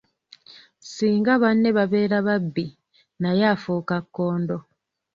Singa banne babeera babbi, naye afuuka kkondo.